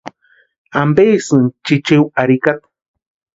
¿Ampesïini chichiwa arhikata?